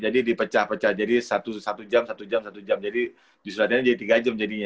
jadi dipecah pecah jadi satu jam satu jam satu jam jadi di sulawesi ini jadi tiga jam jadinya